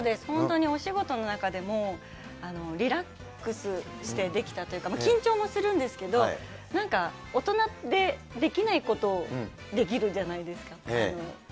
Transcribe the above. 本当にお仕事の中でも、リラックスしてできたというか、緊張もするんですけど、なんか、大人でできないことをできるじゃないですか。